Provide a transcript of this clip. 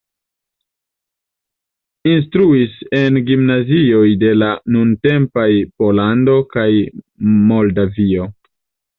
Instruis en gimnazioj de la nuntempaj Pollando kaj Moldavio.